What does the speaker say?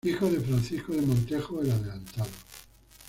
Hijo de Francisco de Montejo, el adelantado.